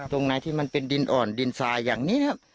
ตรงไหนที่มันเป็นดินอ่อนดินทรายอย่างนี้นะครับ